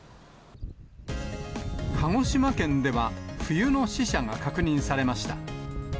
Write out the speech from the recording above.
鹿児島県では、冬の使者が確認されました。